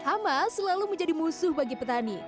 hama selalu menjadi musuh bagi petani